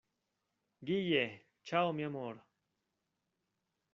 ¡ guille! chao, mi amor.